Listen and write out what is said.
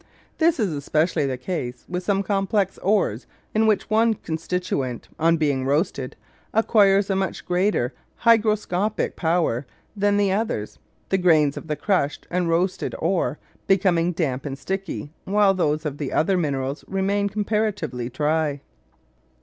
This is especially the case with some complex ores in which one constituent, on being roasted, acquires a much greater hygroscopic power than the others, the grains of the crushed and roasted ore becoming damp and sticky while those of the other minerals remain comparatively dry.